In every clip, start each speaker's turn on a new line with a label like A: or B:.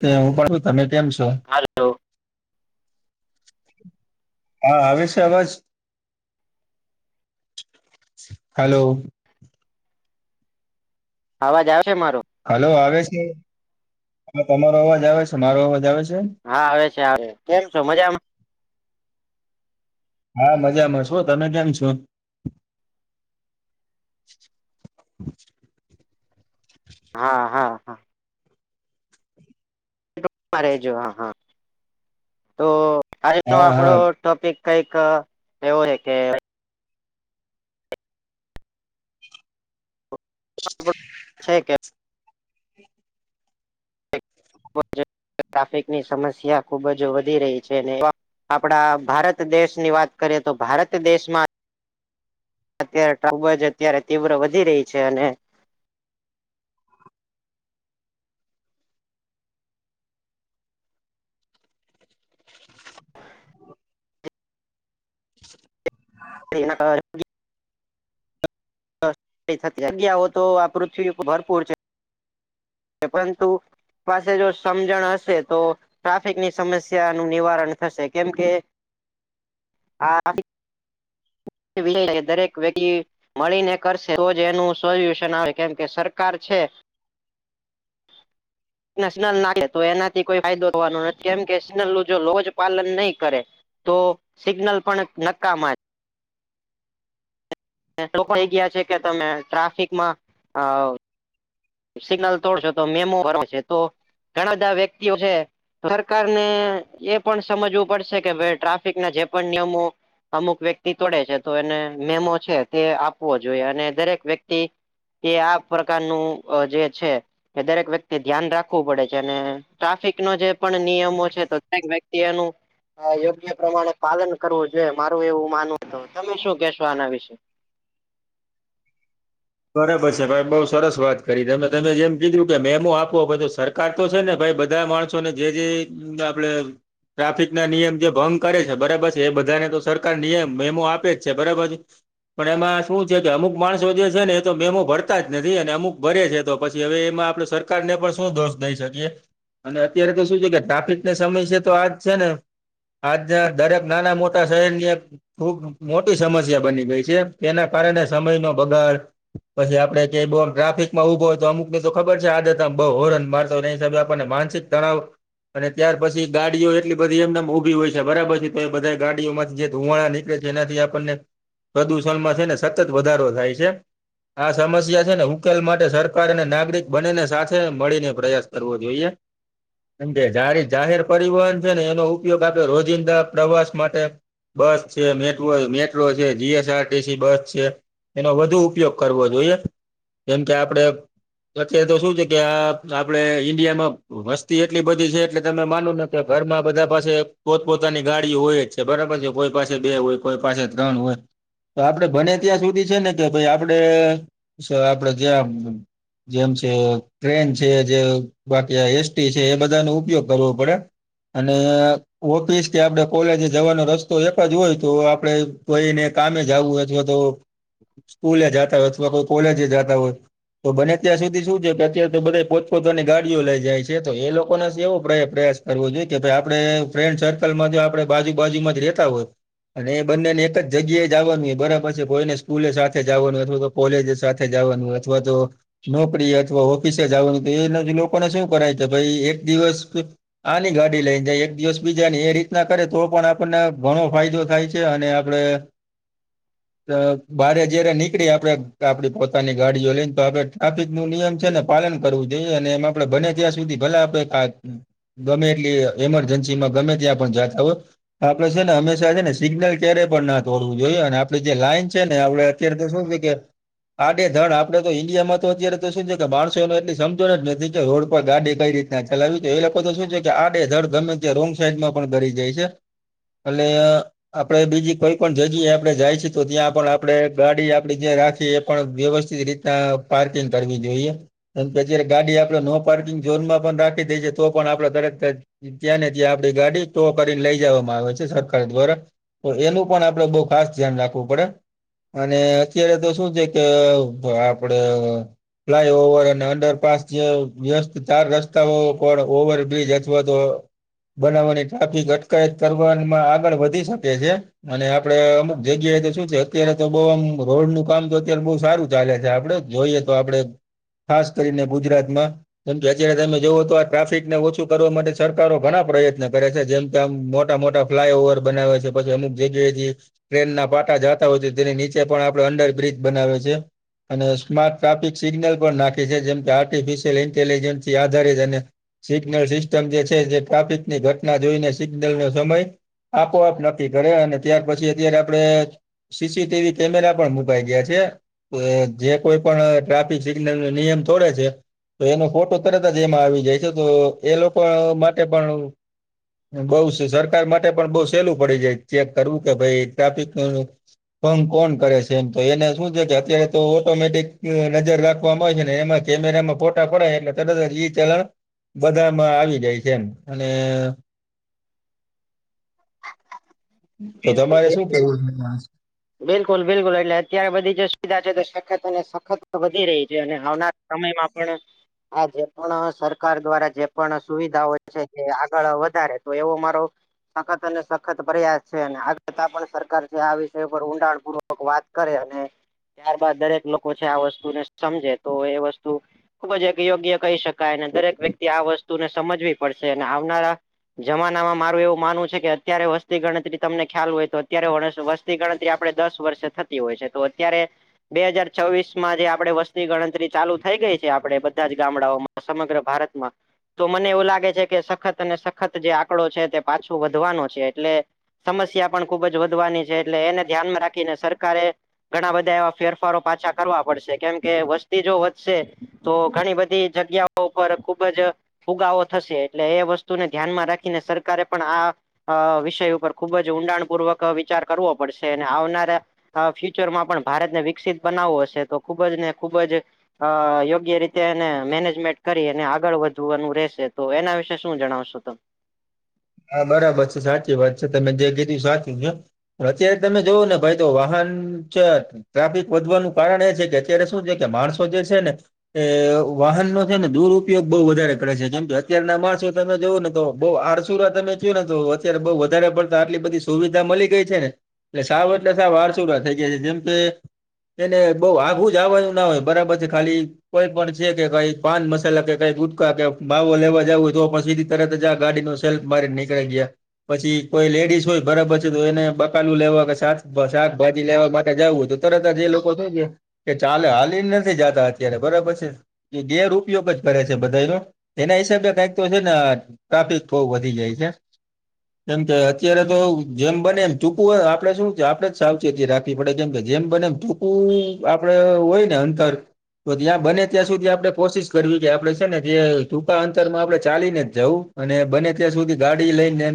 A: તે હું પણડું તમે કેમ છો.
B: હલો.
A: હા હ છે અવાજ હલો.
B: અવાજ આવ છે મારો.
A: હલો આવે છે હા તમારો અવાજ આવે છે મારો અવાજ આવે છે.
B: હા આવે છે આવે કેમ છો મજામાં.
A: હા મજામાં શો તમે કેમ છો.
B: હા હા. રજો હા હા તો આજનો
A: હા
B: આપડો.
A: હા
B: ટોપિક કઈક એવું છે કે. છે કે. ટ્રાફિકની સમસ્યા ખુબ જ વધી રહી છે અને. આપડા ભારત દેશ ની વાત કરીએ તો ભારત દેશમાં. અત્યારે ટબ જ અત્યારે તીવ્ર વધી રહી છે અને.
A: હા.
B: એ. જગ્યાઓ તો આ પૃથ્વી ભરપૂર છે. પરંતુ પાસે જો સમજણ હશે તો ટ્રાફિકની સમસ્યા નું નિવારણ થશે કેમકે આ ષ દરેક વ્યક્તિ મળીને કરશે તોજ એનું સોલ્યુશન આવે કેમ કે સરકાર છે. [inaudible] નલ નાખે તો એનાથી કોઈ ફાયદો હોવાનો નથી કેમ કે સનલું જો લો જ પાલન નહી કરે તો સિગ્નલ પણ નક્કામાં લોકો થઈ ગયા છે કે તમે ટ્રાફિકમાં સિગ્નલ તોડશો તો મેમો ભ તો ઘણા બધા વ્યક્તિઓ છે. સરકારને એ પણ સમજવું પડશે કે ભ ટ્રાફિક ના જે પણ નિયમો અમુક વ્યક્તિ તોડે છે તો એને મેમો છે તે આપવો જોઈએ અને દરેક વ્યક્તિ એ આ પ્રકારનું જે છે. કે દરેક વ્યક્તિ ધ્યાન રાખવું પડે છે અને ટ્રાફિક ન જે પણ નિયમો છે તો દરેક વ્યક્તિ એનું યોગ્ય પ્રમાણે પાલન કરવું જોઈએ મારું એવું માનવું હત તમે શું કેહેશો આના વિશે.
A: બરાબર છે ભાઈ બઉુ સરસ વાત કરી હતી ત તમે જેમ કીધું કે મેમો આપવો બધ સર કતો છે ને ભાઈ બધા માણસો ને જે જે આપડે ટ્રાફિક ના નિયમ જે ભંગ કરે છે બરાબર છે એ બધાને તો સરકાર નિયમ મેમો આપે જ છે બરાબર છે. પણ એમાં શું છે કે અમુક માણસો જે છે ને તો મેમો ભરતા જ નથી અને અમુક ભરે છે તો પછી હવે એમાં આપડ સરકાર ને પણ શું દોષ દઈ શકીએ. અને અત્યારે તો શું છે કે ટ્રાફિકને સમય છે તો આજ છે ને આજ દરેક નાના મોટા શહેર ની ખુબ મોટી સમસ્યા બની ગઈ છે તેના કારણે સમય નો બગાડ. પછી આપે કય બુ ટ્રાફિક માં ઉભોય તો અમુક ને તો ખબર છે આદત બહુ હોરન મારતોિબે આપણને માનસિક તણાવ અને ત્યાર પછી ગાડીઓ એટલી બધી એમનેમ ઉભી હોય છે બરાબર છે તો એ બધા ગાડીઓ માંથી જે ધુવાણાની કે જેનાથી આપણને પ્રદુષણમાં છે ને સતત વધારો થાય છે. આ સમસ્યા છે ને ઉકેલ માટે સરકાર અને નાગરિક બનેને સાથે મળીને પ્રયાસ કરવો જોઈએ. એમ કે જ જાહેર પરિવહન છે ને એનો ઉપયોગ આપ્યો રોજિંદા પ્રવાસ માટે બસ છે મેટ્રો મેટ્રો છે જીએસ આરટીસી બસ છે એનો વધુ ઉપયોગ. કરવો જોઈએ જેમ કે આપડે અત તો શું છે કે આ આપડે ઈન્ડિયામાં વસ્તી એટલી બધી છે એટલે તમે માન ને ઘરમાં બધા પાસે પોતપોતાની ગાડી હોય જ છે બરાબર છે કોઈ પાસે બે હોય કોઈ પાસે ત્રણ હોય. તો આપડે બને ત્યાં સુધી છે ને કે ભાઈ આપડે આપડે ગયા. જેમ છે ટ્રેન છે જે બાકી એસટી છે એ બધા ન ઉપયોગ કરવો પડે અને ઓફિસ કે આપડે કોલેજ જવાનો રસ્તો એક જ હોય તો આપડણે કોઈને કામે જવું અથવા તો કોલે જાતા હોય અથવા કોઈ કોલે જે જતા હોય. તો બને ત્યાં સુધી શું છે કે અત્યારે તો બધા પોચપોચવાની ગાડીઓ લઈ જાય છે તો એ લોકોનો એવો પ્ર પ્રયાસ કરવો જોઈએ કે ભ આપડે ફ્રેન્ડ સર્કલમાં આપડણે બાજુ બાાજુમાં જ રેતા હોય. અને એ બંને ને એક જગ્યાએ જવાનું હો બરા પછી ભઈને સ્કૂલે સાથે. સાથે જવાનું અથવા તો કોલેજ સાથે જવાનું અથવા તો નોકરી અથવા ઓફિસે જવની તો એના લોકોને શું કરાય છે ભાઈ એક દિવસ. આની ગાડી લઈને જાય એક દિવસ બીજાની એ રીતના કરે તો પણ આપણને ઘણો ફાયદો થાય છે અને આપડે
B: [inaudible]
A: તો ભારે જયારે નીકળી આપણે આપડી પોતાની ગાડીઓ લઈને તો આપણે ટ્રાફિક નું નિયમ છે ને પાલન કરવું જોઈએ અને એમાં આપડે બને ત્યાં સુધી ભલે આપડે ક ગમે એટલી એમરજન્સી માં ગમે ત્યાં પણ જાતા હોય. આપડે છે ને હંમેશા છે ને સિગ્નલ ક્યારેય પણ ના તોડવું જોઈએ આપે જે લાઈન છે ને આપડ કર દ શું કેગર આડે ધણ આપડ તો ઈન્ડિયા માં તો અત્યારે તો શું છે કે માણસોને એટલી સમજોણ જ નથી કે રોડ પર ગાડી કઈ રીતે. ચલાવીયું એ લોકો તો શું છે. કે આડે ધડ ગમે ત્યાં રોંગ સાઈડ માં પણ ગડી જાય છે. એટ આપડે બીજી કોઈ પણ જગ્યાએ આપડે જાય છે તો ત્યાં પણ આપણેે ગાડી આપડી જે રાખીએ એ પણ વ્યવસ્થિત રીતના પાર્કિંગ કરવી જોઈએ. અત્યારે ગાડી આપડે નો પાર્કિંગ ઝોનમાં પણ રાખી દે છે. તો પણ આપડે દરેક ત્યાં ને ત્યાં આપડી ગાડી ટો કરીને લઇ જવામાં આવે છે. સરકાર દ્વારા તો એનું પણ આપડે બહુ ખાસ ધ્યાન રાખવું પડે અને અત્યારે તો શું છે. કે આપડે ફ્લાય ઓવર અને અંડરપાસ જે વ્યસ્ત ચાર રસ્તાઓ પણ ઓવરબ્રિજ અથવા તો બનાવવાની ટ્રાફિક અટકાયત કરવામાં આગળ વધી શકે છે. અને આપડે અમુક જગ્યાએ તો શું છે. અત્યારે તો બહુ આમ રોડ નું કામ તો અત્યારે બહ સારું ચાલે છે. આપડે જોઈએ તો આપડે ખાસ કરીને ગુજરાતમાં એમ કે અત્યારે તમે જવો તો આ ટ્રાફિકને ઓછું કરવા માટે સરકારો ઘણા પ્રયત્ન કરે છે. જેમ કે આમ મોટા મોટા ફ્લાય ઓવર બનાવે છે. પછી અમુક જગ્યાએથી ટ્રેન ના પાટા જા તેની નીચે પણ આપડે અંડર બ્રિજ બનાવ્યો છે. અને સ્માર્ટ ટ્રાફિક સિગ્નલ પણ નાખી છે. જેમ કે આર્ટિફિશિયલ ઇન્ટેલિજન્સ થી આધારે જ અને સિગ્નલ સિસ્ટમ જે છે. જે ટ્રાફિકની ઘટના જોઈને સિગ્નલ નો સમય આપોઆપ નક્કી કરે અને ત્યાર પછી અત્યારે આપડે સીસીટીવી કેમેરા પણ મુકાઈ ગયા છે. જે કોઈ પણ ટ્રાફિક સિગ્નલ ન નિયમ તોડે છે. તો એનો ફોટો તરત જ એમાં આવી જાય છે. તો એ લોકો માટે પણ, બઉ સરકાર માટે પણ બઉ સહેલું પડી જાય ચેક કરવું કે ભાઈ ટ્રાફિક ભંગ કોણ કરે છે. એમ તો એને શું છે. કે અત્યારે તો ઓટોમેટિક નજર રાખવામાં આવે છે. ને એમાં કેમેરા માં ફોટા પડાય એટલે તરત ઈ ચલણ બધામાં આવી જાય છે. એમ અને તો
B: એ
A: તમારે શું
B: [inaudible]
A: કેવું છે?
B: બિલકુલ બિલકુલ એટલે અત્યારે બધી જે સુવિધા છે. તો સખત અને સખત વધી રહી છે અને આવનાર સમયમાં પણ હ જે પણ સરકાર દ્વારા જે પણ સુવિધાઓ છે. તે આગળ વધારે તો એવો મારો સખત અને સખત પ્રયાસ છે. અને આગળતા પણ સરકાર જે આ વિષય પર ઊંડાણ પૂર્વક વાત કરે અને ત્યારબાદ દરેક લોકો છે. આ વસ્તુ ને સમજે તો એ વસ્તુ ખુબ જ એક યોગ્ય કહી શકાય અને દરેક વ્યક્તિ આ વસ્તુને સમજવી પડશે અને આવનારા જમાના માં મારું એવું માનવું છે. કે અત્યારે વસ્તી ગણતરી તમને ખ્યાલ હોય તો અત્યારે વસ્તી ગણતરી આપણે દસ વર્ષે થતી હોય છે. તો અત્યારે બે હાજર છવ્વીસ માં જે આપડે વસની ગણતરી ચાલુ થઈ ગઈ છે. આપણે બધા જ ગામડાઓમાં તો સમગ્ર ભારતમાં. તો મને એવું લાગે છે. કે સખત અને સખત જે આંકડો છે. તે પાછો વધવાનો છે. એટલે સમસ્યા પણ ખુબ જ વધવાની છે. એટલે એને ધ્યાનમાં રાખીને સરકારે ઘણા બધા એવા ફેરફારો પાછા કરવા પડશે કેમ કે વસ્તી જો વધશે. તો ઘણી બધી જગ્યાઓ ઉપર ખુબ જ. ફુગાવો થશે એટલે એ વસ્તુને ધ્યાનમાં રાખીને સરકારે પણ આ વિષય ઉપર ખુબ જ ઊંડાણ પૂર્વક વિચાર કરવો પડશે અને આવનારા આ ફ્યુચરમાં પણ ભારતને વિકસિત બનાવવું હશે તો ખુબ જ ને ખુબ જ અ યોગ્ય રીતે એને મેનેજમેન્ટ કરી અનેને આગળ વધવાનું રહેશે તો એના વિશે શું જણાવશો તમે?
A: હા બરાબર છે સાચી વાત છે. તમે જે કીધું સાચું છે. અત્યારે તમે જોવ ને ભાઈ તો વાહન છે. ટ્રાફિક વધવાનું કારણ એ છે. કે અત્યારે શું છે. કે માણસો જે છે. ને એ વાહનોનો છે. ને દુરપયોગ બહુ વધારે કરે છે. જેમ કે અત્યારના માણસો તમે જવઓ ને તો બહ આરસ સુર તમે જોયું ને તો અત્યારે બઉ વધારે પડતા આટલી બધી સુવિધા મળી ગઈ છે ને એટલે સાવ એટલે સા વાર સુુરા થઈ ગયા છે જેમ કે એને બઉ આઘું જ આવવાનું ના હોય બરાબર છે ખાલી કોઈ પણ છે કે કઈ પાન મસાલા કે કઈ ગુટકા કે ભવો લેવા જવુંય તો પણ સીધી તરત જ ગાડી ન સેલ્પ મારી નીકળ ગયા. પછી કોઈ લેડીસ હોય બરાબર છે તો એને બકાલું લેવા કેા શાકભાજી લેવા માટે જવું હતું. હતા જે લોકો થ છે એ ચાલે હાલીને નથી જાતા અત્યારે બરાબર છે. ગેર ઉપપયોગ જ કરે છે બધાનો એના હિસાબે કઈક તો છે ને ટ્રાફિક બહ વધી જાય છે. એમ કે અત્યારે તો જેમ બને એમ ચૂકવું હોય આપડે શું આપડે રાખવી પડે કેમ કે જેમ બનેમ ટૂકું આપડે હોય ને અંતર તો ત્યાં બને ત્યાં સુધી આપણે કોશિશ કરવી કે આપડણે છે ને જે ટૂંકા અંતરમાં આપણે ચાલીને જ જવું અને બને ત્યાં સુધી ગાડી લઈને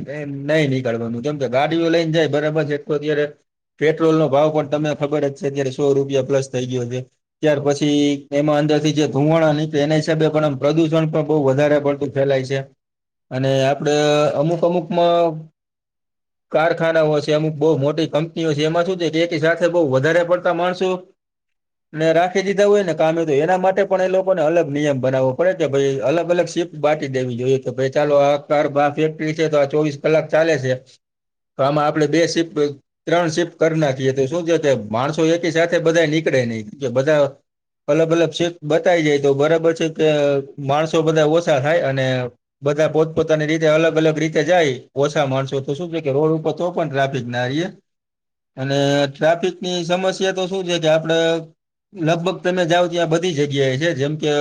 A: નઈ નીકળવાનું કેમ કે ગાડીઓ લઈને જાય બરાબર છે એટલો અત્યારે પેટ્રોલ નો ભાવ પણ તમને ખબર જ છે અત્યારે સો રૂપિયા પ્લસ થઈ ગયો છે. ત્યાર પછી એમાં અંદર થી જે ધુવાણા ન એના હિસાબે પણમ પ્રદુષણ પણ બહ વધારે પડતું લાય છે. અને આપડે અમુક અમુકમાં
B: હ [inaudible]
A: કારખાનાઓ છે અમુક બઉુ મોટી કંપનીઓ છે એમાં શું છે કે એક સાથે બઉ વધારે પડતા માણસો. ને રાખી દીધા હોય ને કામે તો એના માટે પણ એ લોકોને અલગ નિયમ બનાવવો પડે કે ભાઈ અલગ અલગ સિ બાટી દેવી જોઈએ કે ભાઈ ચાલો આ કાર ફેક્ટરી છે તો આ ચોવીસ કલાક ચાલે છે. તો આમાં આપડે બે સી ત્રણ શિફ્ટ કરી નાખી તો શું છે માણસો એકી સાથે બધા નીકળે નહી કે બધા અલગ અલગ શ બતાય જાય તો બરાબર છે કે માણસો બધા ઓછા થાય અને બધા પોતપોતાની રીતે અલગ અલગ રીતે જાય ઓછા માણસો તો શું છે કે રોડ ઉપર તો પણ ટ્રાફિક ના રએ. અને ટ્રાફિક ની સમસ્યા તો શું છે કે આપડે લગભગ તમે જાઓ ત્યાં બધી જગ્યાએ છે જેમ કે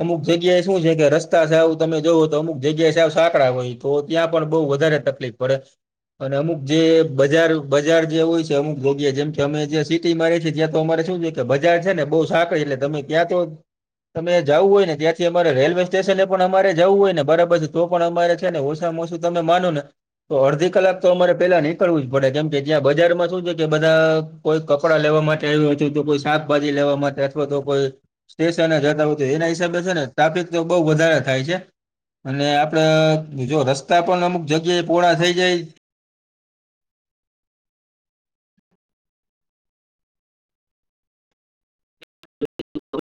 A: અમુક જગ્યા એ શું છે કે રસ્તા છે આવું તમે જોવો અમુક જગ્યા છે સાંકડા હોય તો ત્યાં પણ બહુ વધારે તકલીફ પડે. અને અમુક જે બજાર બજાર જે હોય છે અમુક જોગ્યા જેમ કે અમે સિટીમાં ર છીએ ત્યાં તો અમારે શું છે. બજાર છે ને બઉુ સાાક એટલે તમે ત્યાં તો તમે જવું હોય ને ત્યાંથી અમારે રેલવે સ્ટેશનને પણ અમારે જવું હોય ને. બરાબર છે તો પણ અમારે છે ને ઓછામાં ઓછું તમે માનું ને. તો અડધી કલાક તો અમારે પેલા નીકળવું જ પડે કેમ કે જ્યાં બજારમાં શું છે કે બધા કોઈ કપડાં લેવા માટે આવ્યું હતું તો કોઈ શાકભાજી લેવા માટે અથવા તો કોઈ સ્ટેશન જતા હો હતું એના હિસાબે છે ને ટ્રાફિક તો બઉુ વધારે થાય છે. અને આપડે જો રસ્તા પણ અમુક જગ્યાએ પોળા થઈ જાય.
B: [unintelligible]